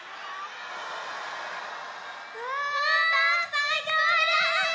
うわたくさんきこえる！